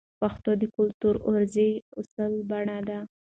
پښتو د کلتوري غورزی اصولو بڼه ده.